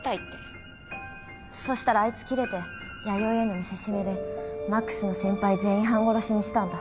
そしたらあいつキレて弥生への見せしめで魔苦須の先輩全員半殺しにしたんだ。